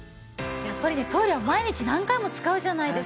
やっぱりねトイレは毎日何回も使うじゃないですか。